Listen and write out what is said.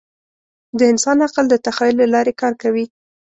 د انسان عقل د تخیل له لارې کار کوي.